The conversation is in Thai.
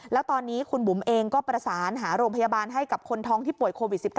แล้วตอนนี้คุณบุ๋มเองก็ประสานหาโรงพยาบาลให้กับคนท้องที่ป่วยโควิด๑๙